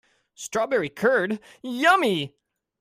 Strawberry curd, yummy!